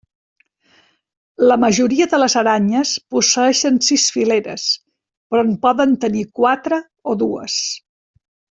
La majoria de les aranyes posseeixen sis fileres, però en poden tenir quatre o dues.